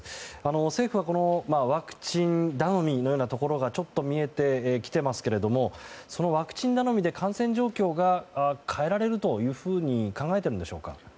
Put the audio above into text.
政府はワクチン頼みのようなところがちょっと見えてきていますけれどもそのワクチン頼みで感染状況が変えられるというふうに考えているんでしょうか？